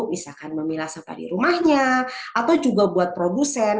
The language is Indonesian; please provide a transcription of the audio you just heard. misalkan memilah sampah di rumahnya atau juga buat produsen